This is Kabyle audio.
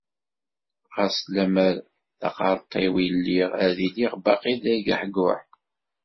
Ɣas lemmer d aqerṭiw i lliɣ, ad iliɣ baqi d agehguh.